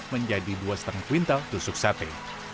menjadi dua setengah kuintal tusuk sate